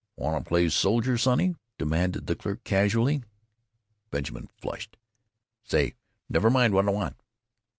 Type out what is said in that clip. "Want to play soldier, sonny?" demanded a clerk casually. Benjamin flushed. "Say! Never mind what I want!"